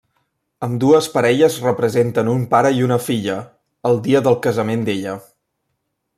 Ambdues parelles representen un pare i una filla, el dia del casament d'ella.